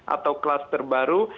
atau kelas terbaru